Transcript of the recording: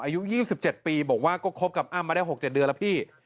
อายุ๒๗ปีบอกว่าก็คบกับอ้ำมาได้๖๗เดือนแล้วพี่